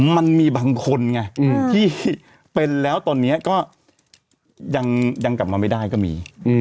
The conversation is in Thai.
มันมีบางคนไงที่เป็นแล้วตอนนี้ก็ยังกลับมาไม่ได้ก็มี